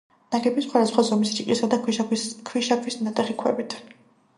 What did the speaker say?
ნაგებია სხვადასხვა ზომის რიყისა და ქვიშაქვის ნატეხი ქვებით.